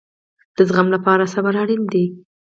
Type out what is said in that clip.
د زغم لپاره صبر اړین دی